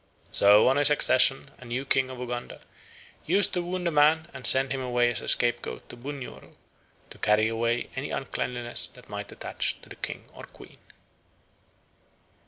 So on his accession a new king of Uganda used to wound a man and send him away as a scapegoat to Bunyoro to carry away any uncleanliness that might attach to the king or queen.